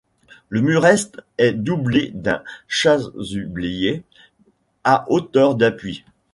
Le mur Est est doublé d’un chasublier à hauteur d’appui.